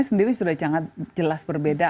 sendiri sudah sangat jelas berbeda